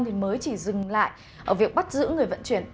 thì mới chỉ dừng lại ở việc bắt giữ người vận chuyển